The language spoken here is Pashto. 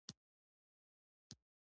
دا له میلاد څخه شاوخوا پنځه سوه کاله مخکې وه